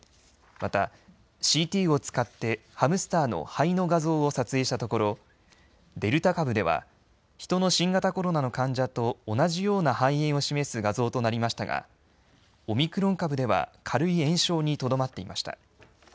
またＣＴを使ってハムスターの肺の画像を撮影したところデルタ株ではヒトの新型コロナの患者と同じような肺炎を示す画像となりましたがオミクロン株では軽い炎症にとどまっていました。